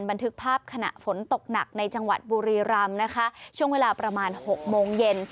บันทึกภาพขณะฝนตกหนักในจังหวัดบุรีรำนะคะช่วงเวลาประมาณหกโมงเย็น